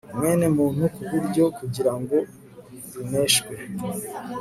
mwene muntu ku buryo kugira ngo rineshwe